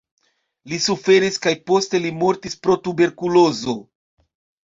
Li suferis kaj poste li mortis pro tuberkulozo.